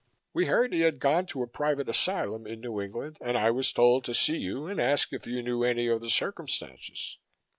We heard he had gone to a private asylum in New England and I was told to see you and ask if you knew any of the circumstances."